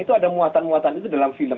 itu ada muatan muatan itu dalam film